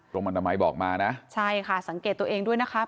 ตรงอนามัยบอกมานะใช่ค่ะสังเกตตัวเองด้วยนะคะ